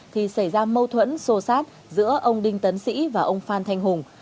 thì xảy ra mâu thuẫn xô xát giữa ông đinh tấn sĩ và ông phan thanh hùng